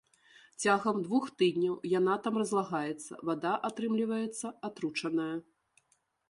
Цягам двух тыдняў яна там разлагаецца, вада атрымліваецца атручаная.